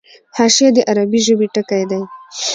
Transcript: حاشیه د عربي ژبي ټکی دﺉ.